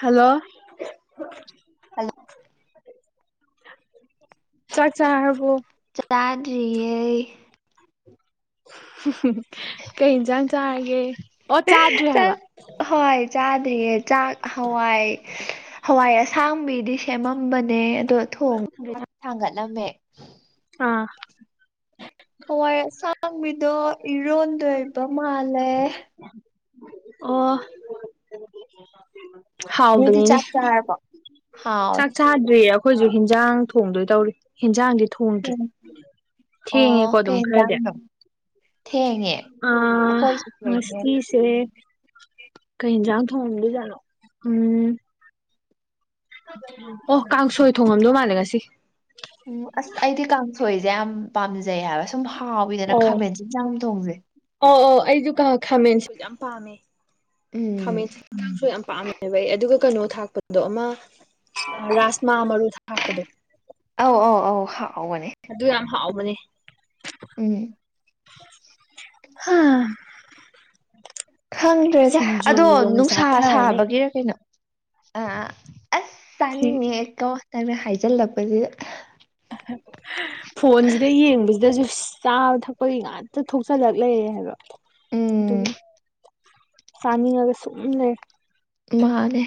hello hello ꯆꯥꯛ ꯆꯔꯕꯣ ꯆꯥꯗ꯭ꯔꯤꯌꯦ [unintelligible] ꯀꯩ ꯏꯟꯖꯥꯥꯡ ꯆꯥꯔꯒꯦ ꯑꯣ ꯆꯥꯗ꯭ꯔꯤ ꯍꯥꯏꯕ ꯍꯣꯏ ꯆꯥꯗ꯭ꯔꯤꯌꯦ ꯆꯥꯛ ꯍꯋꯥꯏ ꯍꯋꯥꯏ ꯑꯁꯥꯡꯕꯤꯗꯤ ꯁꯦꯝꯃꯝꯕꯅꯦ ꯑꯗꯣ ꯊꯣꯡ ꯊꯥꯡꯒꯠꯂꯝꯃꯦ ꯑꯥ ꯍꯋꯥꯏ ꯑꯁꯥꯡꯕꯤꯗꯣ ꯏꯔꯣꯟꯗꯣꯏꯕ ꯃꯥꯜꯂꯦ ꯑꯣ ꯅꯣꯏꯗꯤ ꯍꯥꯎꯕꯅꯤꯅꯦ ꯆꯥꯛ ꯆꯥꯔꯕꯣ ꯍꯥꯎꯋꯦ ꯆꯥꯛ ꯆꯥꯗ꯭ꯔꯤ ꯑꯩꯈꯣꯏꯁꯨ ꯍꯟꯖꯥꯡ ꯊꯣꯡꯗꯣꯏ ꯇꯧꯔꯤ ꯍꯟꯖꯥꯡꯗꯤ ꯊꯣꯡꯗ꯭ꯔꯤ ꯑꯣ ꯊꯦꯡꯉꯦꯀꯣ ꯀꯩ ꯑꯗꯨꯝ ꯈꯔꯗꯤ ꯌꯦꯟꯖꯥꯡꯅꯣ ꯊꯦꯡꯉꯦ ꯑꯥ ꯑꯩꯈꯣꯏꯁꯨ ꯊꯦꯡꯉꯦ ꯉꯥꯁꯤꯗꯤ ꯁꯦ ꯀꯩꯖꯥꯡ ꯊꯣꯡꯗꯨꯏꯖꯅꯣ ꯎꯝ ꯑꯣ ꯀꯥꯡꯁꯣꯏ ꯊꯣꯡꯉꯝꯗꯧ ꯃꯥꯜꯂꯦ ꯉꯁꯤ ꯎꯝ ꯑꯁ ꯑꯩꯗꯤ ꯀꯥꯡꯊꯣꯏꯁꯦ ꯌꯥꯝ ꯄꯥꯝꯖꯩ ꯍꯥꯏꯕ ꯁꯨꯝ ꯍꯥꯎꯋꯤꯗꯅ ꯑꯣ ꯈꯥꯃꯦꯟꯁꯤ ꯌꯥꯝ ꯌꯥꯝ ꯊꯣꯡꯖꯩ ꯑꯣ ꯑꯣ ꯑꯩꯁꯨ ꯀꯥ ꯈꯥꯃꯦꯟꯁꯤꯟ ꯌꯥꯝ ꯄꯥꯝꯃꯦ ꯎꯝ ꯈꯥꯃꯦꯟꯁꯤ ꯏꯟꯈꯥꯡꯁꯨ ꯌꯥꯝ ꯄꯥꯝꯃꯦ ꯍꯥꯏꯕ ꯑꯩ ꯑꯗꯨꯒ ꯀꯩꯅꯣ ꯊꯥꯛꯄꯗ ꯑꯗꯣ ꯑꯃ ꯔꯥꯁꯃꯥ ꯃꯔꯨ ꯊꯥꯛꯄꯗꯣ ꯑꯧ ꯑꯧ ꯑꯧ ꯍꯥꯎꯕꯅꯦ ꯑꯗꯨ ꯌꯥꯝ ꯍꯥꯎꯕꯅꯦ ꯎꯝ ꯍꯥꯥ ꯈꯪꯗ꯭ꯔꯦꯗ ꯑꯗꯣ ꯅꯨꯡꯁꯥ ꯆꯥꯊꯔꯅꯤ ꯁꯥꯕꯒꯤꯔ ꯀꯩꯅꯣ ꯑ ꯑꯁ ꯁꯤ ꯆꯥꯅꯤꯡꯉꯑꯀꯣ ꯅꯪꯅ ꯍꯥꯏꯖꯤꯜꯂꯛꯄꯁꯤꯗ [unintelligible] ꯐꯣꯟꯁꯤꯗ ꯌꯦꯡꯕꯁꯤꯗꯁꯨ ꯆꯥꯕ ꯊꯛꯄꯒꯤ ꯉꯥꯛꯇ ꯊꯣꯛꯆꯜꯂꯛ ꯂꯩꯔꯦ ꯍꯥꯏꯕ ꯎꯝ ꯑꯗꯨꯒꯤ ꯆꯅꯤꯡꯉꯒ ꯁꯨꯝ ꯂꯩ ꯃꯥꯅꯦ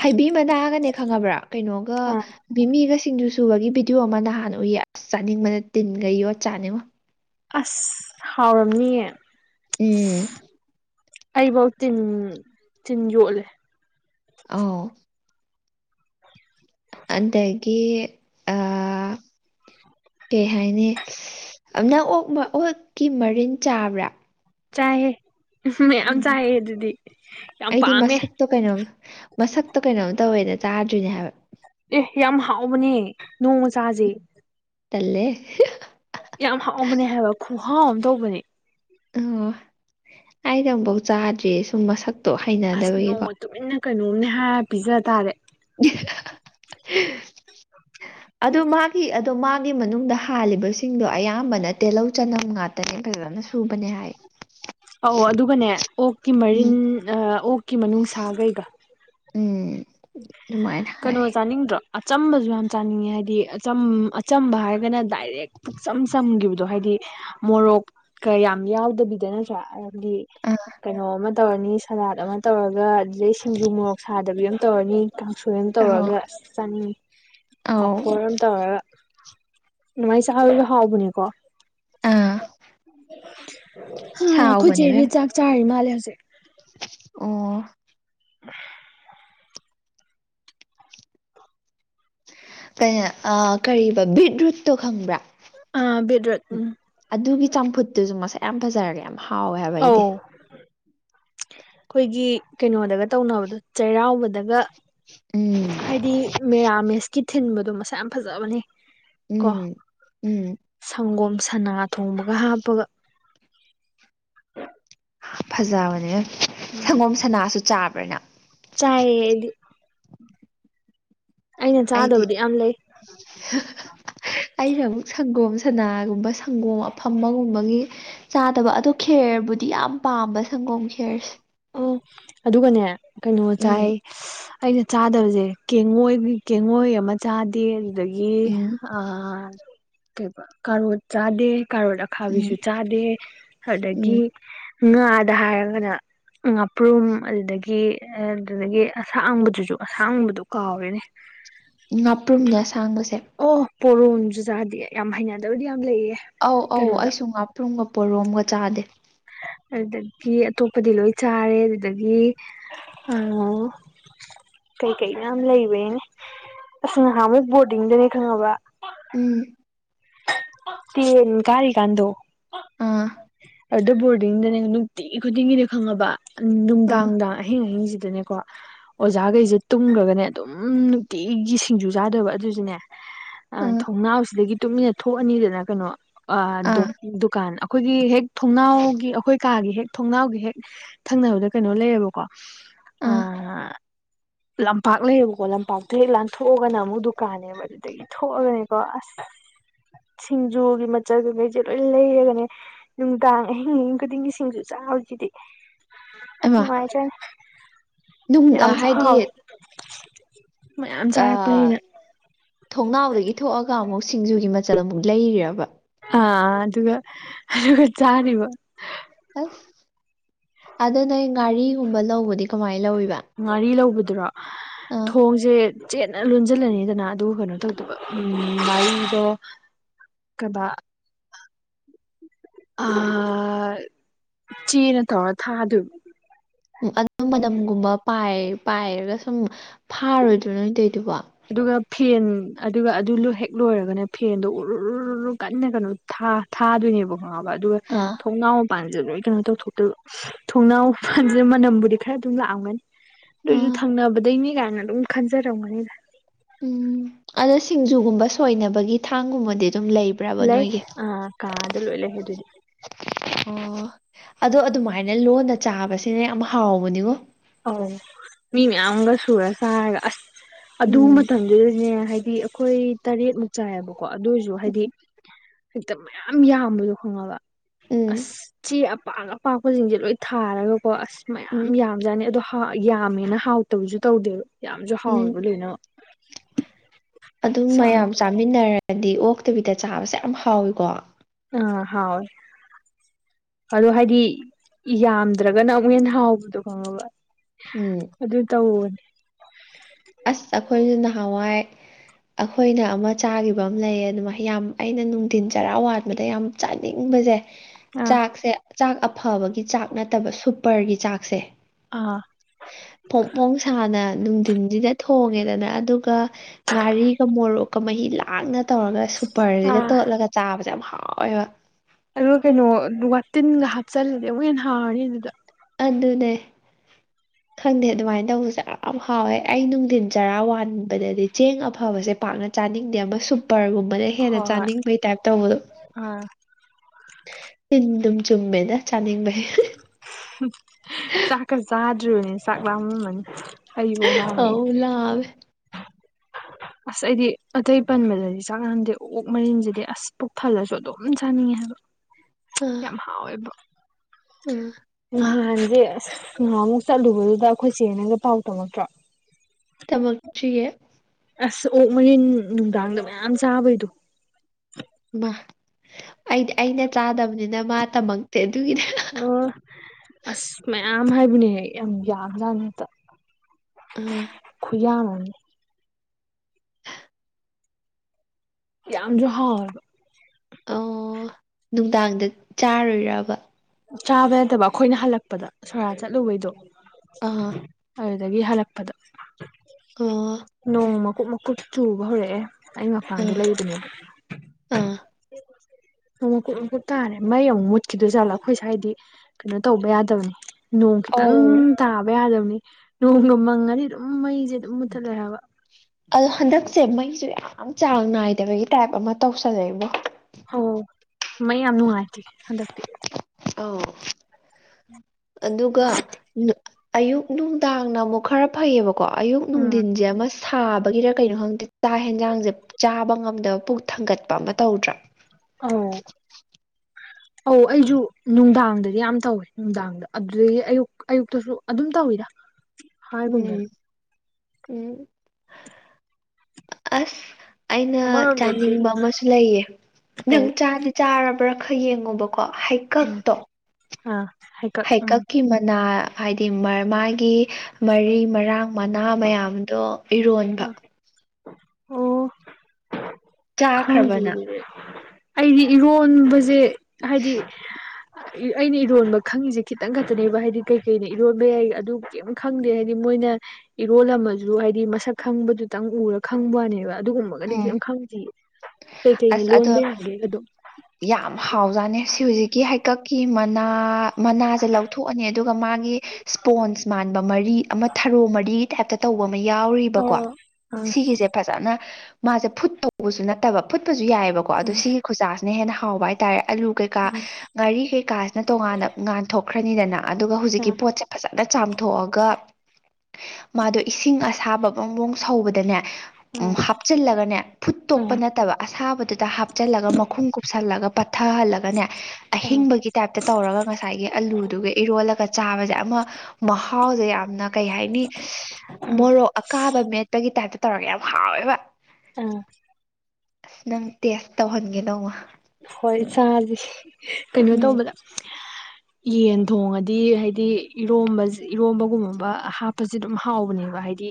ꯍꯩꯕꯤ ꯃꯅꯥꯒꯅꯦ ꯈꯪꯉꯕ꯭ꯔꯥ ꯀꯩꯅꯣꯒ ꯑꯥ ꯕꯤꯃꯤꯒ ꯁꯤꯡꯖꯨ ꯁꯨꯕꯒꯤ ꯚꯤꯗꯤꯑꯣ ꯑꯃ ꯅꯍꯥꯟ ꯎꯏ ꯑꯁ ꯆꯥꯅꯤꯡꯕꯅ ꯇꯤꯟꯒ ꯌꯣ ꯆꯥꯅꯤꯡꯉꯣ ꯑꯁ ꯍꯥꯎꯔꯝꯅꯤꯌꯦ ꯎꯝ ꯑꯩꯕꯧ ꯇꯤꯟ ꯇꯤꯟ ꯌꯣꯠꯂꯦ ꯑꯧ ꯑꯗꯒꯤ ꯑꯥ ꯀꯩ ꯍꯥꯏꯅꯤ ꯑꯅꯪ ꯑꯣꯛ ꯑꯣꯛꯀꯤ ꯃꯔꯤꯟ ꯆꯥꯕ꯭ꯔꯥ ꯆꯥꯏꯍꯦ ꯃꯌꯥꯝ ꯎꯝ ꯆꯥꯏꯑꯦ ꯑꯗꯨꯗꯤ ꯌꯥꯝ ꯄꯥꯝꯃꯦ ꯇ ꯀꯩꯅꯣꯝ ꯃꯁꯛꯇꯣ ꯀꯩꯅꯣꯝ ꯇꯧꯋꯦꯅ ꯆꯥꯗ꯭ꯔꯤꯅꯦ ꯍꯥꯏꯕ ꯑꯦꯍ ꯌꯥꯝ ꯍꯥꯎꯕꯅꯦ ꯅꯣꯡꯃ ꯆꯥꯁꯦ ꯇꯂꯦ ꯌꯥꯝ ꯍꯥꯎꯕꯅꯦ ꯍꯥꯏꯕ ꯈꯨꯍꯥꯎ ꯑꯃ ꯇꯧꯕꯅꯦ ꯑꯣ ꯑꯩꯗ ꯑꯃꯨꯐꯥꯎ ꯆꯥꯗ꯭ꯔꯤ ꯁꯨꯝ ꯃꯁꯛ ꯑꯁ ꯅꯣꯡꯃ ꯇꯨꯃꯤꯟꯅ ꯀꯩꯅꯣꯝꯅꯦ ꯍꯥꯏꯔ ꯄꯤꯖ ꯇꯥꯔꯦ [unintelligible] [inaudible] ꯑꯗꯣ ꯃꯥꯒꯤ ꯑꯗꯣ ꯃꯥꯒꯤ ꯃꯅꯨꯡꯗ ꯍꯥꯜꯂꯤꯕꯁꯤꯡꯗꯣ ꯑꯌꯥꯝꯕꯅ ꯇꯤꯜꯍꯧ ꯆꯅꯝ ꯉꯥꯛ ꯇꯅꯦ ꯐꯖꯅ ꯁꯨꯕꯅꯦ ꯍꯥꯏ ꯑꯧ ꯑꯗꯨꯒꯅꯦ ꯑꯣꯛꯀꯤ ꯃꯔꯤꯟ ꯎꯝ ꯑꯥ ꯑꯣꯛꯀꯤ ꯃꯅꯨꯡꯁꯥꯒꯩꯒ ꯎꯝ ꯑꯗꯨꯃꯥꯏꯅ ꯀꯩꯅꯣ ꯍꯥꯏ ꯆꯥꯅꯤꯡꯗ꯭ꯔꯣ ꯑꯆꯝꯕꯖꯨ ꯌꯥꯝ ꯆꯥꯅꯤꯡꯉꯦ ꯍꯥꯏꯗꯤ ꯑꯆꯝ ꯑꯆꯝꯕ ꯍꯥꯏꯔꯒꯅ ꯗꯥꯏꯔꯦꯛ ꯄꯨꯛꯆꯝ ꯆꯝꯒꯤꯕꯗꯣ ꯍꯥꯏꯗꯤ ꯃꯣꯔꯣꯛꯀ ꯌꯥꯝ ꯌꯥꯎꯗꯕꯤꯗ ꯅꯠꯇ꯭ꯔꯥ ꯑ ꯗꯤ ꯑꯥ ꯀꯩꯅꯣ ꯑꯃ ꯇꯧꯔꯅꯤ ꯁꯂꯥꯠ ꯑꯃ ꯇꯧꯔꯒ ꯁꯤꯗꯩ ꯁꯤꯡꯖꯨ ꯃꯣꯔꯣꯛ ꯁꯥꯗꯕꯤ ꯑꯃ ꯇꯧꯔꯅꯤ ꯀꯥꯡꯁꯣꯏ ꯑꯃ ꯑꯧ ꯇꯧꯔꯒ ꯑꯁ ꯆꯥꯅꯤꯡꯉꯤ ꯑꯧ ꯑꯐꯣꯔꯣꯔ ꯑꯃ ꯇꯧꯔꯒ ꯅꯨꯡꯉꯥꯏ ꯆꯥꯛꯍꯥꯎꯒ ꯍꯥꯎꯕꯅꯦꯀꯣ ꯑꯥ ꯁꯥꯎꯕꯅꯦ ꯏꯕꯦꯝ ꯍꯥꯈꯣꯏꯆꯦꯒꯤ ꯆꯥꯛ ꯆꯥꯔꯤ ꯃꯥꯜꯂꯦ ꯍꯧꯖꯤꯛ ꯑꯣ ꯀ ꯀꯔꯤꯕ ꯕꯤꯠꯔꯨꯠꯇꯣ ꯈꯪꯕ꯭ꯔꯥ ꯑ ꯗ꯭ꯔꯣ ꯎꯝ ꯑꯗꯨꯒꯤ ꯆꯝꯐꯨꯠꯇꯨꯁꯨ ꯃꯁꯛ ꯌꯥꯝ ꯐꯖꯔꯒꯦ ꯌꯥꯝ ꯍꯥꯎꯋꯦ ꯍꯥꯏꯕ ꯑꯧ ꯑꯩꯗꯤ ꯑꯩꯈꯣꯏꯒꯤ ꯀꯩꯅꯣꯗꯒ ꯇꯧꯅꯕꯗꯣ ꯆꯩꯔꯥꯎꯕꯗꯒ ꯎꯝ ꯍꯥꯏꯗꯤ ꯃꯦꯔꯥꯃꯦꯁꯀꯤ ꯊꯤꯟꯕꯗꯣ ꯃꯁꯥ ꯌꯥꯝ ꯐꯖꯕꯅꯦ ꯀꯣ ꯎꯝ ꯎꯝ ꯁꯪꯒꯣꯝ ꯁꯅꯥ ꯊꯣꯡꯕꯒ ꯍꯥꯞꯄꯒ ꯐꯖꯕꯅꯦ ꯎꯝ ꯍꯪꯒꯣꯝ ꯁꯅꯥꯁꯨ ꯆꯥꯕ꯭ꯔꯅ ꯆꯥꯌꯦꯗꯤ ꯑꯩꯅ ꯆꯥꯗꯕꯗꯤ ꯌꯥꯝ ꯂꯩ ꯎꯃꯝ ꯑꯩꯅ ꯑꯃꯨꯛ ꯁꯪꯒꯣꯝ ꯁꯅꯥꯒꯨꯝꯕ ꯁꯪꯒꯣꯝ ꯑꯐꯝꯕꯒꯨꯝꯕꯒꯤ ꯆꯥꯗꯕ ꯑꯗꯣ ꯈꯦꯔꯕꯨꯗꯤ ꯌꯥꯝ ꯄꯥꯝꯕ ꯁꯪꯒꯣꯝ ꯈꯦꯔꯁꯦ ꯑꯣ ꯑꯗꯨꯒꯅꯦ ꯀꯩꯅꯣ ꯆꯥꯏ ꯎꯝ ꯑꯩꯅ ꯆꯥꯗꯕꯁꯦ ꯀꯦꯡꯉꯣꯏꯒꯤ ꯀꯦꯡꯉꯣꯏ ꯑꯃ ꯆꯥꯗꯦ ꯑꯗꯨꯗꯒꯤ ꯎꯝ ꯑ ꯀ ꯀꯣ ꯆꯥꯗꯦ ꯀ ꯈꯥꯕꯤꯁꯨ ꯎꯝ ꯆꯥꯗꯦ ꯑꯗꯒꯤ ꯎꯝ ꯉꯥꯗ ꯍꯥꯏꯔꯒꯅ ꯉꯥꯄ꯭ꯔꯨꯝ ꯑꯗꯨꯗꯒꯤ ꯑꯗꯨꯗꯒꯤ ꯑꯁꯥꯡꯕꯗꯨꯁꯨ ꯑꯁꯥꯡꯕꯗ ꯀꯥꯎꯔꯦꯅꯦ ꯉꯥꯄ꯭ꯔꯨꯝꯅꯦ ꯑꯁꯥꯡꯕꯁꯦ ꯑꯣ ꯄꯣꯔꯣꯁꯨꯨꯖꯥꯗꯤ ꯌꯥꯝ ꯍꯩꯅꯗꯕꯗꯤ ꯌꯥꯝ ꯂꯩꯌꯦ ꯑꯧ ꯑꯧ ꯀꯩꯅꯣꯗ ꯑꯩꯁꯨ ꯉꯥꯄ꯭ꯔꯨꯝꯒ ꯄꯣꯔꯣꯝꯒ ꯆꯥꯗꯦ ꯑꯗꯨꯗꯒꯤ ꯑꯇꯣꯞꯄꯗꯤ ꯂꯣꯏ ꯆꯥꯔꯦ ꯑꯗꯨꯗꯒꯤ ꯀꯩꯀꯩ ꯃ ꯂꯩꯕꯩꯅꯦ ꯑꯁ ꯉꯥꯏꯍꯥꯛ ꯃꯣꯏ ꯕꯣꯔꯗꯤꯡꯗꯅꯦ ꯈꯪꯉꯕ ꯎꯝ ꯇꯦꯟ ꯀꯔꯤ ꯀꯥꯟꯗꯣ ꯑꯥ ꯑꯗꯨ ꯕꯣꯔꯗꯤꯡꯗꯅꯦ ꯅꯨꯡꯇꯤ ꯈꯨꯗꯤꯡꯒꯤꯅꯦ ꯈꯪꯉꯕ ꯑꯥ ꯅꯨꯡꯗꯥꯡꯗ ꯑꯍꯤꯡ ꯑꯍꯤꯡꯁꯤꯗꯅꯦꯀꯣ ꯑꯣꯖꯥꯈꯩꯁꯦ ꯇꯨꯝꯈ꯭ꯔꯒꯅꯦ ꯑꯗꯨꯝ ꯅꯨꯡꯇꯤꯒꯤ ꯁꯤꯡꯖꯨ ꯆꯥꯗꯕ ꯑꯗꯨꯁꯨꯅꯦ [inaudible] ꯑꯥ ꯊꯧꯅꯥꯎꯁꯤꯗꯒꯤ ꯇꯨꯃꯤꯟꯅ ꯊꯣꯛꯑꯅꯤꯗꯅ ꯀꯩꯅꯣ ꯑꯥ ꯗꯨꯀꯥꯟ ꯑꯩꯈꯣꯏꯒꯤ ꯍꯦꯛ ꯊꯣꯡꯅꯥꯎꯒꯤ ꯑꯩꯈꯣꯏ ꯀꯥꯒꯤ ꯍꯦꯛ ꯊꯣꯡꯅꯥꯎꯒꯤ ꯍꯦꯛ ꯊꯪꯅꯕꯗ ꯀꯩꯅꯣ ꯂꯩꯌꯦꯕꯀꯣ ꯑ ꯑꯥ ꯂꯝꯄꯥꯛ ꯂꯩꯌꯦꯕꯀꯣ ꯂꯝꯄꯥꯛꯇꯣ ꯍꯦꯛ ꯂꯥꯟꯊꯣꯛꯑꯒꯅ ꯑꯃꯨꯛ ꯗꯨꯀꯥꯟꯅꯦꯕ ꯑꯗꯨꯗꯒꯤ ꯊꯣꯛꯑꯒꯅꯤꯀꯣ ꯑꯁ ꯁꯤꯡꯖꯨꯒꯤ ꯃꯆꯠ ꯀꯩꯀꯩꯁꯦ ꯂꯣꯏ ꯂꯩꯔꯒꯅꯦ ꯅꯨꯡꯗꯥꯡ ꯑꯍꯤꯡ ꯑꯍꯤꯡ ꯈꯨꯗꯤꯡꯒꯤꯁꯤꯡꯁꯨ ꯆꯁꯤꯗꯤ ꯑꯃ ꯃꯥꯏꯆ ꯅꯨꯡ ꯌꯥꯝꯁꯨ ꯍꯥꯏꯗꯤ ꯍꯥꯎ ꯃ ꯌꯥꯔ ꯄ ꯊꯣꯡꯅꯥꯎꯗꯒꯤ ꯊꯣꯛꯑꯒ ꯑꯃꯨꯛ ꯁꯤꯡꯖꯨꯒꯤ ꯃꯆꯜ ꯑꯃꯨꯛ ꯂꯩꯔꯕ ꯑꯥ ꯑꯗꯨꯒ ꯑꯗꯨꯒ ꯆꯥꯔꯤꯕ ꯑꯁ ꯑꯗꯨ ꯅꯣꯏ ꯘꯔꯤꯒꯨꯝꯕ ꯂꯧꯕꯗꯤ ꯀꯃꯥꯏꯅ ꯂꯧꯏꯕ ꯉꯥꯔꯤ ꯂꯧꯕꯗꯨꯔꯣ ꯊꯣꯡꯁꯦ ꯆꯦꯠꯅ ꯂꯨꯣꯟꯁꯤꯜꯂꯅꯤꯗꯅ ꯑꯗꯨ ꯀꯩꯅꯣ ꯇꯧꯗꯕ ꯃꯔꯤꯗꯣ ꯀꯗꯥ ꯑ ꯆꯦꯅ ꯇꯧꯔ ꯊꯥꯗꯣꯏꯕ ꯑꯗꯨ ꯃꯅꯝꯒꯨꯝꯕꯥꯏ ꯄꯥꯏꯔꯒ ꯁꯨꯝ ꯐꯥꯔꯣꯏꯗ꯭ꯔꯣ ꯅꯣꯏꯗꯩꯗꯨꯕ ꯑꯗꯨꯒ ꯐꯦꯟ ꯑꯗꯨꯒ ꯑꯗꯨ ꯍꯦꯛ ꯂꯣꯏꯔꯒꯅ ꯐꯦꯟꯗꯣ ꯎꯔꯨ ꯀꯟꯅ ꯀꯩꯅꯣ ꯊꯥ ꯊꯥꯗꯣꯏꯅꯦꯕ ꯉꯣꯕ ꯑꯗꯨꯒ ꯑꯥ ꯊꯣꯡꯅꯥꯎ ꯃꯄꯥꯟꯁꯦ ꯂꯣꯏ ꯀꯩꯅꯣ ꯇꯧꯊꯣꯛꯇꯕ ꯊꯣꯡꯅꯥꯎ ꯃꯄꯥꯟꯁꯦ ꯃꯅꯝꯕꯨꯗꯤ ꯈꯔ ꯑꯗꯨꯝ ꯂꯥꯛꯑꯝꯒꯅꯤ ꯑꯗꫭꯏꯁꯨ ꯑꯥ ꯊꯪꯅꯕꯗꯩꯅꯤ ꯀꯥꯏꯅ ꯑꯗꯨꯝ ꯈꯟꯖꯔꯝꯒꯅꯤꯗ ꯎꯝ ꯑꯗꯣ ꯁꯤꯡꯖꯨꯒꯨꯝꯕ ꯁꯣꯏꯅꯕꯒꯤ ꯊꯥꯡꯒꯨꯝꯕꯗꯤ ꯑꯗꯨꯝ ꯂꯩꯕ ꯂꯩ ꯑꯥ ꯀꯥꯗ ꯂꯣꯏ ꯂꯩ ꯑꯗꯨꯗꯤ ꯑꯣ ꯑꯗꯣ ꯑꯗꯨꯃꯥꯏꯅ ꯂꯣꯟꯅ ꯆꯥꯕꯁꯤꯅ ꯌꯥꯝ ꯍꯥꯎꯕꯅꯤꯉꯣ ꯑꯧ ꯃꯤ ꯃꯌꯥꯝ ꯑꯝꯒ ꯁꯨꯔ ꯆꯥꯔꯒ ꯑꯁ ꯑꯗꯨ ꯎꯝ ꯃꯇꯝꯗꯨꯗꯅꯦ ꯍꯥꯏꯗꯤ ꯑꯩꯈꯣꯏ ꯇꯔꯦꯠ ꯃꯨꯛ ꯆꯥꯏꯑꯕꯀꯣ ꯑꯗꯨꯑꯣ ꯑꯣꯏꯔꯁꯨ ꯍꯥꯏꯗꯤ ꯍꯦꯛꯇ ꯃꯌꯥꯝ ꯌꯥꯝꯕꯗꯣ ꯈꯪꯉꯕ ꯎꯝ ꯑꯁ ꯆꯦ ꯑꯄꯥꯛ ꯑꯄꯥꯛꯄꯁꯤꯡꯁꯦ ꯂꯣꯏ ꯊꯥꯔꯒꯀꯣ ꯑꯁ ꯃꯌꯥꯝ ꯎꯝ ꯌꯥꯝꯖꯅꯤ ꯑꯗꯣ ꯌꯥꯝꯃꯦꯅ ꯍꯥꯎꯇꯕꯁꯨ ꯇꯧꯗꯦꯕꯣ ꯌꯥꯝꯁꯨ ꯍꯥꯎ ꯎꯝ ꯂꯩꯅꯣ ꯑꯗꯨꯝ ꯁ ꯃꯌꯥꯝ ꯆꯥꯃꯤꯟꯅꯔꯗꯤ ꯑꯣꯛꯇꯕꯤꯗ ꯆꯥꯕꯁꯦ ꯌꯥꯝ ꯍꯥꯎꯏꯤꯀꯣ ꯑ ꯍꯥꯎꯑꯦ ꯑꯗꯣ ꯍꯥꯏꯗꯤ ꯌꯥꯝꯗ꯭ꯔꯒꯅ ꯑꯃꯨꯛ ꯍꯦꯟꯅ ꯍꯥꯎꯕꯗꯣ ꯈꯪꯉꯕ ꯎꯝ ꯑꯗꯨ ꯇꯧꯑ ꯑꯁ ꯑꯩꯈꯣꯏꯁꯨ ꯅꯍꯥꯟꯋꯥꯏ ꯑꯩꯈꯣꯏꯅ ꯑꯃ ꯆꯥꯈꯤꯕ ꯑꯃ ꯂꯩꯌꯦ ꯑꯗꯨꯃꯥꯏ ꯌꯥꯝ ꯑꯩꯅ ꯅꯨꯡꯊꯤꯟ ꯆꯔꯥ ꯋꯥꯄꯗ ꯌꯥꯝ ꯆꯥꯅꯤꯡꯕꯁꯦ ꯑꯥ ꯆꯥꯛꯁꯦ ꯆꯥꯛ ꯑꯐꯕꯒꯤ ꯆꯥꯛ ꯅꯠꯇꯕ ꯁꯨꯄꯔꯒꯤ ꯆꯥꯛꯁꯦ ꯑꯥ ꯐꯣꯡ ꯐꯣꯡ ꯁꯥꯅ ꯅꯨꯡꯊꯤꯟꯁꯤꯗ ꯊꯣꯡꯉꯦꯗꯅ ꯑꯗꯨꯒ ꯉꯥꯔꯤꯒ ꯃꯣꯔꯣꯛꯀ ꯃꯍꯤ ꯂꯥꯡꯅ ꯇꯧꯔꯒ ꯁꯨꯄꯔꯁꯤꯒ ꯑꯥ ꯇꯣꯠꯂꯒ ꯆꯥꯕꯁꯦ ꯌꯥꯝ ꯍꯥꯎꯋꯦꯕ ꯑꯗꯨꯒ ꯀꯩꯅꯣ ꯋꯥꯇꯤꯟꯒ ꯍꯥꯞꯆꯜꯂꯗꯤ ꯑꯃꯨꯛ ꯍꯦꯟꯅ ꯍꯔꯅꯤ ꯑꯗꯨꯗ ꯑꯗꯨꯅꯦ [inaudible] ꯈꯪꯗꯦ ꯑꯗꯨꯃꯥꯏꯅ ꯇꯧꯕꯁꯦ ꯌꯥꯝ ꯍꯥꯎꯋꯦ ꯑꯩ ꯅꯨꯡꯊꯤꯟ ꯆꯔꯥ ꯋꯥꯟꯕꯗꯗꯤ ꯆꯦꯡ ꯑꯐꯕꯁꯦ ꯄꯥꯛꯅ ꯆꯥꯅꯤꯡꯗꯦ ꯑꯃ ꯁꯨꯄꯔꯒꯨꯝꯕꯅ ꯍꯦꯟꯅ ꯍꯣꯏ ꯍꯣꯏ ꯆꯥꯅꯤꯡꯕꯩ ꯇꯥꯏꯞ ꯇꯧꯕꯗꯣ ꯑꯥ ꯇꯤꯟ ꯗꯨꯝ ꯆꯨꯝꯃꯦꯗ ꯆꯥꯅꯤꯡꯕꯩ ꯆꯥꯛꯀ ꯆꯥꯗ꯭ꯔꯤꯕꯅꯤ ꯆꯥꯛ ꯂꯥꯝꯃꯝ ꯃꯅꯤ ꯑꯧ ꯂꯥꯝ ꯃꯤ ꯑꯁ ꯑꯩꯗꯤ ꯑꯇꯩ ꯄꯟꯕꯗꯗꯤ ꯆꯥꯛ ꯃꯥꯟꯍꯟꯗꯦ ꯑꯣꯛ ꯃꯔꯤꯟꯁꯤꯗꯤ ꯑꯁ ꯄꯣꯛ ꯊꯜꯂꯁꯨ ꯑꯗꯨꯝ ꯆꯥꯅꯤꯡꯉꯦ ꯍꯥꯏꯕ ꯌꯥꯝ ꯍꯥꯎꯋꯦꯕ ꯎꯝ ꯅꯍꯥꯟꯁꯦ ꯑꯁ ꯉꯍꯥꯃꯨꯛ ꯆꯠꯂꯨꯕꯗꯨꯗ ꯑꯩꯈꯣꯏ ꯆꯦꯅꯪꯒ ꯄꯥꯎ ꯇꯧꯉꯛꯇ꯭ꯔꯣ ꯇꯃꯛ ꯇꯔꯤꯑ ꯑꯁ ꯑꯣꯛ ꯃꯔꯤꯟ ꯅꯨꯡꯗꯥꯡꯗ ꯃꯌꯥꯝ ꯆꯥꯕꯩꯗꯣ ꯃꯥ ꯑꯩꯗꯤ ꯑꯩꯅ ꯆꯥꯗꯕꯅꯤꯅ ꯃꯥ ꯇꯝꯃꯛꯇꯦ ꯑꯗꯨꯒꯤꯅꯦ ꯑꯣ ꯑꯁ ꯃꯌꯥꯝ ꯍꯥꯏꯕꯅꯦꯍ ꯌꯥꯝ ꯌꯥꯖꯥꯠꯅꯤ ꯎꯝ ꯈꯨꯨꯌꯥꯑꯝꯅꯤ ꯌꯥꯝ ꯖꯣꯍꯥꯎꯑ ꯑꯣ ꯅꯨꯡꯗꯥꯡꯗ ꯆꯥꯔꯣꯏꯔꯕ ꯆꯥꯕ ꯅꯠꯇꯕ ꯑꯩꯈꯣꯏꯅ ꯍꯜꯂꯛꯄꯗ ꯁꯣꯔꯥꯠ ꯆꯠꯂꯨꯕꯩꯗꯣ ꯑ ꯑꯗꯨꯗꯒꯤ ꯍꯜꯂꯛꯄꯗ ꯑꯣ ꯅꯣꯡ ꯃꯀꯨꯞ ꯃꯀꯨꯞ ꯆꯨꯕ ꯍꯧꯔꯛꯑꯦ ꯑꯩ ꯃ ꯐꯥꯟꯗ ꯑꯥ ꯂꯩꯗꯅꯤ ꯑꯥ ꯑꯃꯛ ꯀꯨꯇꯥꯔꯦ ꯃꯩ ꯑꯃꯨꯛ ꯃꯨꯠꯈꯤꯗꯨ ꯆꯂꯛ ꯑꯩꯈꯣꯏ ꯁ꯭ꯋꯥꯏꯗꯤ ꯀꯩꯅꯣ ꯇꯧꯕ ꯌꯥꯗꯕꯅꯤ ꯅꯣꯡ ꯈꯤꯇꯪ ꯑꯧ ꯇꯥꯕ ꯌꯥꯗꯕꯅꯤ ꯅꯣꯡ ꯂꯨ ꯃꯪꯉꯗꯤ ꯑꯗꯨꯝ ꯃꯩꯁꯦ ꯑꯗꯨꯝ ꯃꯨꯠꯊꯠꯂꯦ ꯍꯥꯏꯕ ꯑꯗꯣ ꯍꯟꯗꯛꯁꯦ ꯃꯩꯁꯨ ꯌꯥꯝ ꯆꯥꯡ ꯅꯥꯏꯗꯕꯒꯤ ꯇꯥꯏꯞ ꯑꯃ ꯇꯧꯁꯜꯂꯛꯏꯕꯣ ꯑꯣ ꯃꯩ ꯌꯥꯝꯅꯅꯨꯡꯉꯥꯏꯇ ꯍꯟꯗꯛꯇꯤ ꯑꯥꯎ ꯑꯗꯨꯒ ꯅꯨꯡꯉꯥꯏꯇꯦ ꯑꯌꯨꯛ ꯅꯨꯡꯗꯥꯡꯅ ꯑꯃꯨꯛ ꯈꯔ ꯐꯩꯌꯦꯕꯀꯣ ꯑꯌꯨꯛ ꯎꯝ ꯅꯨꯡꯊꯤꯟꯁꯦ ꯑꯃ ꯁꯥꯕꯒꯤꯔ ꯀꯩꯅꯣ ꯈꯪꯗꯦ ꯆꯥꯛ ꯌꯦꯦꯟꯖꯥꯡꯁꯦ ꯆꯥꯕ ꯉꯝꯗꯕ ꯄꯨꯛ ꯊꯥꯡꯒꯠꯄ ꯑꯃ ꯇꯧꯗ꯭ꯔꯥ ꯑꯧ ꯑꯧ ꯑꯩꯁꯨ ꯅꯨꯡꯗꯥꯡꯗꯗꯤ ꯌꯥꯝ ꯇꯧꯋꯦ ꯅꯨꯡꯗꯥꯡꯗ ꯑꯗꯨꯗꯒꯤ ꯑꯌꯨꯛ ꯑꯌꯨꯛꯇꯁꯨ ꯑꯗꯨꯝ ꯇꯧꯋꯤꯗ ꯍꯥꯏꯒꯨꯝꯗꯅ ꯎꯝ ꯎꯝ ꯑꯁ ꯑꯩꯅ ꯑꯃꯔꯣꯝꯗꯗꯤ ꯆꯥꯅꯤꯡꯕ ꯑꯃꯁꯨ ꯂꯩꯌꯦ ꯅꯪ ꯀꯩ ꯆꯥ ꯆꯥꯔꯕ꯭ꯔꯥ ꯈꯔ ꯌꯦꯡꯉꯨꯕꯀꯣ ꯍꯩꯀꯛꯇꯣ ꯑ ꯍꯥꯏ ꯍꯩꯀꯛꯀꯤ ꯃꯅꯥ ꯍꯥꯏꯗꯤ ꯃꯥꯒꯤ ꯃꯔꯤ ꯃꯔꯥꯡ ꯃꯅꯥ ꯃꯌꯥꯝꯗꯣ ꯏꯔꯣꯟꯕ ꯑ ꯑꯣ ꯈꯪ ꯆꯥꯈ꯭ꯔꯕꯅ ꯑꯩꯗꯤ ꯏꯔꯣꯟꯕꯁꯦ ꯍꯥꯏꯗꯤ ꯑꯩꯅ ꯏꯔꯣꯟꯕ ꯈꯪꯉꯤꯁꯦ ꯈꯤꯇꯪ ꯈꯛꯇꯅꯦꯕ ꯍꯥꯏꯗꯤ ꯀꯩꯀꯩꯅ ꯏꯔꯣꯟꯕ ꯌꯥꯏ ꯑꯗꯨ ꯀꯔꯤꯝ ꯈꯪꯗꯦ ꯍꯥꯏꯗꯤ ꯃꯣꯏꯅ ꯏꯔꯣꯜ ꯑꯃꯁꯨ ꯍꯥꯏꯗꯤ ꯃꯁꯛ ꯈꯪꯕꯗꯨꯇꯪ ꯎꯔ ꯈꯪꯕꯅꯦꯕ ꯑꯗꯨꯒꯨꯝꯕꯒꯗꯤ ꯎꯝ ꯀꯈꯤꯇ ꯈꯪꯗꯌꯦ ꯀꯩꯅ ꯑꯁ ꯂꯦ ꯑꯗꯣ ꯍꯥꯏ ꯑꯗꯨ ꯌꯥꯝ ꯍꯥꯎꯖꯥꯅꯦ ꯁꯤ ꯍꯧꯨꯖꯤꯛꯀꯤ ꯍꯩꯀꯛꯀꯤ ꯃꯅꯥ ꯃꯅꯥꯁꯦ ꯂꯧꯊꯣꯛꯑꯅꯤ ꯑꯗꯨꯒ ꯃꯥꯒꯤ ꯏꯁꯄꯣꯟꯁ ꯃꯥꯟꯕ ꯃꯔꯤ ꯑꯃ ꯊꯔꯣ ꯃꯔꯤ ꯇꯥꯏꯞꯇ ꯇꯧꯕ ꯑꯃ ꯌꯥꯎꯔꯤꯕꯀꯣ ꯑꯣ ꯑ ꯎꯝ ꯁꯤꯁꯦ ꯐꯖꯅ ꯃꯥꯁꯦ ꯐꯨꯠ ꯇꯧꯕꯁꯨ ꯅꯠꯇꯕ ꯐꯨꯠꯄꯁꯨ ꯌꯥꯏꯑꯕꯀꯣ ꯑꯗꯣ ꯁꯤ ꯈꯨꯖꯥꯁꯤꯅ ꯍꯦꯟꯅ ꯍꯥꯎꯕ ꯍꯥꯏꯇꯥꯔꯦ ꯑꯥꯂꯨ ꯀꯩꯀꯥ ꯉꯥꯔꯤ ꯀꯩꯀꯥꯁꯤꯅ ꯇꯣꯉꯥꯟꯅ ꯉꯥꯟꯊꯣꯛꯈ꯭ꯔꯅꯤꯗꯅ ꯑꯗꯨꯒ ꯍꯧꯖꯤꯛꯀꯤ ꯄꯣꯠꯁꯦ ꯐꯖꯅ ꯆꯥꯝꯊꯣꯛꯑꯒ ꯃꯥꯗꯣ ꯏꯁꯤꯡ ꯑꯁꯥꯕ ꯃꯑꯣꯡ ꯁꯧꯕꯗꯅꯦ ꯎ ꯎꯝ ꯍꯥꯞꯆꯤꯜꯂꯒꯅꯦ ꯎꯝ ꯐꯨꯠꯇꯣꯛꯄ ꯎꯝ ꯅꯠꯇꯕ ꯑꯁꯥꯕꯗꯨꯗ ꯍꯥꯥꯆꯜꯂꯒ ꯃꯈꯨꯝ ꯀꯨꯞꯁꯜꯂꯒ ꯄꯠꯊꯍꯜꯂꯒꯅꯦ ꯑꯍꯤꯡꯕꯒꯤ ꯇꯥꯏꯞꯇ ꯇꯧꯔꯒ ꯉꯁꯥꯏꯒꯤ ꯑꯂꯨꯗꯨꯒ ꯏꯔꯣꯜꯂꯒ ꯆꯥꯕꯁꯦ ꯑꯃ ꯃꯍꯥꯎꯁꯦ ꯌꯥꯝꯅ ꯀꯩ ꯍꯥꯏꯅꯤ ꯎꯝ ꯎꯝ ꯃꯣꯔꯣꯛ ꯑꯀꯥꯕ ꯃꯦꯠꯄꯒꯤ ꯇꯥꯏꯞꯇ ꯇꯧꯔꯒ ꯌꯥꯝ ꯍꯥꯎꯋꯦꯕ ꯑꯝ ꯅꯪ ꯇꯦꯁ ꯇꯧꯍꯟꯒꯦ ꯅꯧꯃ ꯍꯣꯏ ꯁꯥꯥꯁꯦ ꯀꯩꯅꯣ ꯎꯝ ꯇꯧꯕꯗ ꯌꯦꯟ ꯊꯣꯡꯉꯗꯤ ꯍꯥꯏꯗꯤ ꯏꯔꯣ ꯏꯔꯣꯝꯕꯒꯨꯝꯕ ꯍꯥꯞꯄꯁꯦ ꯑꯗꯨꯝ ꯍꯥꯎꯕꯅꯦꯕ ꯍꯥꯏꯗꯤ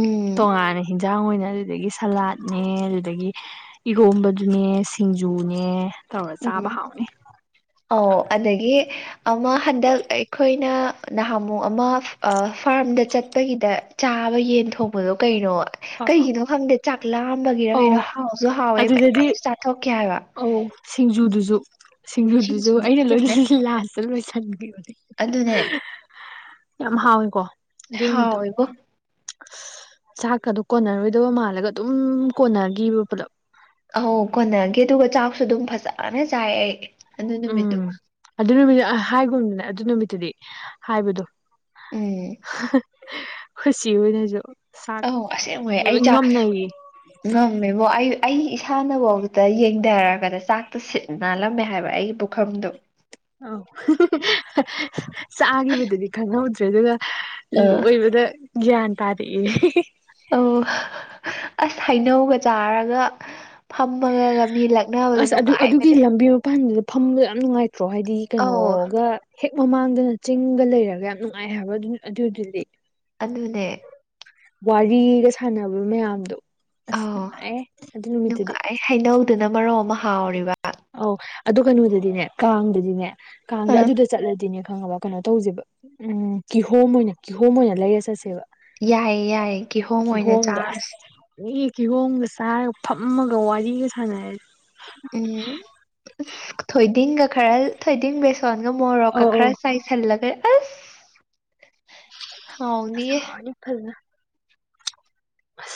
ꯎꯝ ꯇꯣꯉꯥꯟꯅ ꯍꯤꯟꯖꯥꯡ ꯑꯣꯏꯅ ꯑꯗꯨꯗꯒꯤ ꯁꯂꯥꯠ ꯅꯦ ꯑꯗꯨꯗꯒꯤ ꯏꯍꯣꯝꯕꯗꯨꯅꯦ ꯁꯤꯡꯖꯨꯅꯦ ꯇꯧꯔ ꯆꯥꯕ ꯍꯥꯎꯅꯦ ꯑꯧ ꯑꯗꯒꯤ ꯑꯃ ꯍꯟꯗꯛ ꯑꯩꯈꯣꯏꯅ ꯅꯍꯥꯃꯨꯛ ꯑꯃ ꯐꯥꯔꯝꯗ ꯆꯠꯄꯒꯤꯗ ꯆꯥꯕ ꯌꯦꯟ ꯊꯣꯡꯕꯗꯣ ꯀꯩꯅꯣ ꯑ ꯀꯒꯤꯅꯣ ꯈꯪꯗꯦ ꯆꯥꯛꯂꯥꯝꯕꯒꯤꯔ ꯑꯧ ꯀꯩꯅꯣ ꯍꯥꯎꯁꯨ ꯍꯥꯎꯋꯦ ꯑꯗꯨꯗꯗꯤ ꯃꯌꯥꯝꯁꯨ ꯆꯥꯊꯣꯛꯀꯦ ꯍꯥꯏꯕ ꯑꯧ ꯁꯤꯡꯖꯨꯗꯨꯁꯨ ꯁꯤꯡꯖꯨꯗꯨꯁꯨ ꯁꯤꯡꯖꯨꯗꯨ ꯑꯩꯅ ꯌꯦꯡꯉꯨꯅꯦ ꯂꯣꯏꯅ ꯂꯥꯁꯇ ꯂꯣꯏꯁꯟꯕꯤꯈꯤꯕꯅꯦ ꯑꯗꯨꯅꯦ ꯌꯥꯝ ꯍꯥꯎꯋꯦꯀꯣ ꯑꯗꯨ ꯅꯨꯃꯤꯠꯇꯣ ꯍꯥꯎꯋꯦꯕꯣ ꯆꯥꯛꯀ ꯑꯗꯨ ꯀꯣꯟꯅꯔꯣꯏꯗꯕ ꯃꯥꯜꯂꯒ ꯑꯗꯨꯝ ꯀꯣꯟꯅꯈꯤꯕ ꯄꯨꯂꯞ ꯑꯧ ꯀꯣꯟꯅꯒꯦ ꯑꯗꯨꯒ ꯆꯥꯛꯁꯨ ꯑꯗꯨꯝ ꯐꯖꯅ ꯆꯥꯏ ꯑꯩ ꯑꯗꯨ ꯎꯝ ꯅꯨꯃꯤꯠꯇꯨꯃ ꯑꯗꯨ ꯅꯨꯃꯤꯠꯇ ꯍꯥꯏꯒꯨꯝꯗꯨꯅꯦ ꯑꯗꯨ ꯅꯨꯃꯤꯠꯇꯨꯗꯤ ꯍꯥꯏꯕꯗꯣ ꯎꯝ ꯈꯨꯁꯤ ꯑꯣꯏꯅꯁꯨ ꯆꯥꯛ ꯑꯧ ꯑꯁꯦꯡꯕꯩ ꯑꯩ ꯂꯣꯏ ꯆꯥꯛ ꯉꯝꯅꯩꯌꯦ ꯉꯝꯃꯦꯕꯣ ꯑꯩ ꯑꯩ ꯏꯁꯥꯅꯐꯥꯎꯕꯗ ꯌꯦꯡꯊꯔꯒꯗ ꯆꯥꯛꯇ ꯁꯤꯠꯅꯜꯂꯝꯃꯦ ꯍꯥꯏꯕ ꯑꯩꯒꯤ ꯈꯪꯗ ꯑ ꯆꯥꯈꯤꯕꯗꯨꯗꯤ ꯈꯪꯍꯧꯗ꯭ꯔꯦ ꯑꯗꯨꯒ ꯑꯥ ꯂꯣꯏ ꯗ ꯒꯌꯥ꯭ꯟ ꯇꯥꯔꯛ ꯑꯦ ꯑꯣ ꯑꯁ ꯍꯩꯅꯧꯒ ꯆꯥꯔꯒ ꯐꯝꯃꯒꯒ ꯃꯤ ꯂꯛꯅꯕꯗꯣ ꯑꯁ ꯑꯗꯨ ꯑꯗꯨꯒꯤ ꯅꯨꯡꯉꯥꯏꯕꯅꯦ ꯂꯝꯕꯤ ꯃꯄꯥꯟꯗꯨꯗ ꯐꯝꯕꯗꯣ ꯌꯥꯝ ꯅꯨꯡꯉꯥꯏ ꯇ꯭ꯔꯣ ꯍꯥꯏꯗꯤ ꯑꯧ ꯀꯩꯅꯣꯒ ꯍꯦꯛ ꯃꯃꯥꯡꯗꯅ ꯆꯤꯡꯒ ꯂꯩꯔꯒ ꯌꯥꯝ ꯅꯨꯡꯉꯥꯏ ꯍꯥꯏꯕ ꯑꯗꯨ ꯑꯗꯨꯗꯨꯗꯤ ꯑꯗꯨꯅꯦ ꯋꯥꯔꯤꯒ ꯁꯥꯟꯅꯕ ꯃꯌꯥꯝꯗꯣ ꯑꯁ ꯑꯧ ꯅꯨꯡꯉꯥꯏꯍꯦ ꯑꯗꯨ ꯅꯨꯃꯤꯠꯇꯨꯗꯤ ꯅꯨꯡꯉꯥꯏ ꯍꯩꯅꯧꯗꯨꯅ ꯃꯔꯣꯝꯃ ꯍꯥꯎꯔꯤꯕ ꯑꯧ ꯑꯗꯨꯣ ꯀꯩꯅꯣꯗꯗꯤꯅꯦ ꯀꯥꯡꯗꯗꯤꯅꯦ ꯀꯥꯡꯗ ꯑꯗꯨꯗ ꯆꯠꯂꯗꯤꯅꯦ ꯈꯪꯉꯕ ꯀꯩꯅꯣ ꯇꯧꯁꯦꯕ ꯎꯝ ꯀꯤꯍꯣꯝ ꯑꯣꯏꯅ ꯀꯤꯍꯣꯝ ꯑꯣꯏꯅ ꯂꯩꯔ ꯆꯠꯁꯦꯕ ꯌꯥꯏꯌꯦ ꯌꯥꯏꯌꯦ ꯀꯤꯍꯣꯝ ꯑꯣꯏꯅ ꯀꯤꯍꯣꯝꯗꯣ ꯆꯥꯔꯨꯁꯤ ꯑꯁ ꯃꯤ ꯀꯤꯍꯣꯝꯒ ꯆꯥꯔꯒ ꯐꯝꯃꯒ ꯋꯥꯔꯤꯒ ꯁꯥꯟꯅꯔ ꯎꯝ ꯊꯣꯏꯗꯤꯡꯒ ꯈꯔ ꯊꯣꯏꯗꯤꯡ ꯕꯦꯁꯣꯟꯒ ꯃꯣꯔꯣꯛꯀ ꯑꯧ ꯑꯧ ꯈꯔ ꯆꯥꯏ ꯁꯜꯂꯒ ꯑꯁ ꯍꯥꯎꯅꯤꯌꯦ ꯁꯥꯔꯅꯤ ꯐꯖꯅ ꯑꯁ